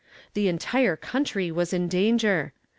The entire country was in danger.